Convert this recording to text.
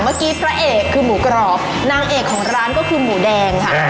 เมื่อกี้พระเอกคือหมูกรอบนางเอกของร้านก็คือหมูแดงค่ะ